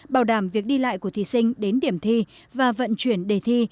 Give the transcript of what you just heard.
bảo đảm việc đi lại của thí sinh đến điểm thi và vận chuyển đề thi